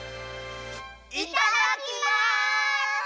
いただきます！